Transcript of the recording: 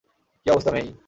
কী অবস্থা, মেই?